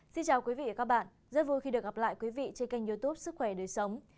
xin chào quý vị và các bạn rất vui khi được gặp lại quý vị trên kênh youtube sức khỏe đời sống